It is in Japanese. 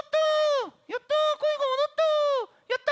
やった！